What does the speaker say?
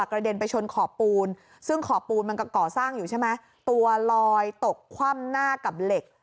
กระเด็นไปชนขอบปูนซึ่งขอบปูนมันก็ก่อสร้างอยู่ใช่ไหมตัวลอยตกคว่ำหน้ากับเหล็ก